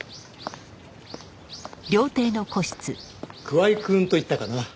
桑井くんといったかな？